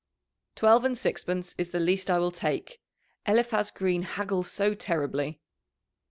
"Twelve and sixpence is the least I will take. Eliphaz Green haggles so terribly."